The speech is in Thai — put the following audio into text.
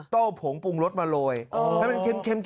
ต้องผงปรุงรสมาโรยทำให้เค็ม